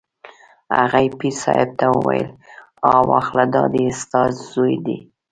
هغې پیر صاحب ته وویل: ها واخله دا دی ستا زوی دی.